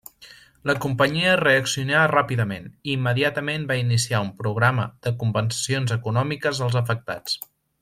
La companyia reaccionà ràpidament i immediatament va iniciar un programa de compensacions econòmiques als afectats.